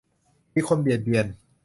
มีคนเบียดเบียน